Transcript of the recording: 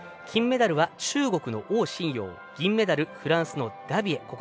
金メダルは中国の王晨陽銀メダル、フランスのダビエ。